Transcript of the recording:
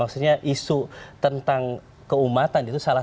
maksudnya isu tentang keumatan itu salah